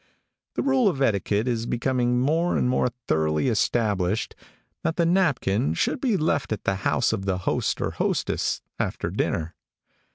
The rule of etiquette is becoming more and more thoroughly established, that the napkin should be left at the house of the host or hostess, after dinner.